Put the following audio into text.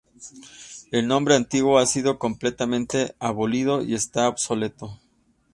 El nombre antiguo ha sido completamente abolido y está obsoleto.